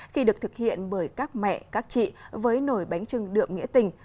khi được thực hiện bởi các mẹ các chị với nổi bánh trưng đượm nghĩa tình